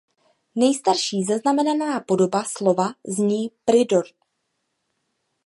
Nejstarší zaznamenaná podoba slova zní "Pridor".